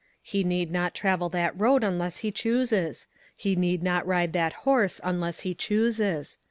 He need not travel that road unless he chooses ; he need not ride that horse unless he chooses.